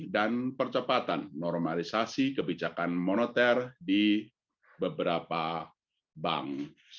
dan percepatan normalisasi kebijakan moneter di beberapa bank